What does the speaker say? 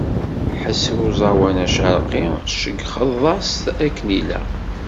Ḥess i uẓawan acerqi tceyyxeḍ-as akken ilaq.